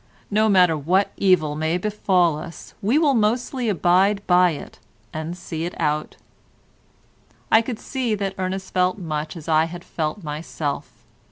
No matter what evil may befall us, we will mostly abide by it and see it out. I could see that Ernest felt much as I had felt myself.